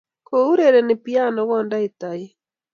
kourereni piano kondait toek